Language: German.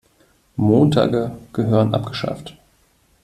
Montage gehören abgeschafft.